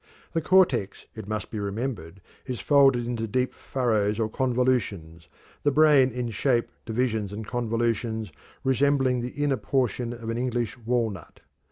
The cortex, it must be remembered, is folded into deep furrows or convolutions, the brain in shape, divisions, and convolutions resembling the inner portion of an English walnut.